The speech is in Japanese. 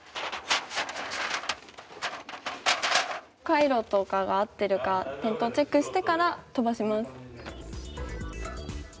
回路とかが合ってるか点灯チェックしてから飛ばします。